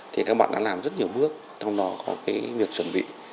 thì các bạn đã làm rất nhiều bước trong đó có cái việc chuẩn bị